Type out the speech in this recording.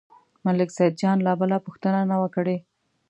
ملک سیدجان لا بله پوښتنه نه وه کړې.